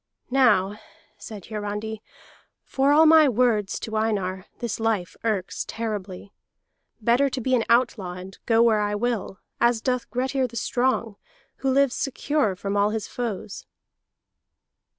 "Now," said Hiarandi, "for all my words to Einar, this life irks terribly. Better to be an outlaw, and go where I will as doth Grettir the Strong, who lives secure from all his foes."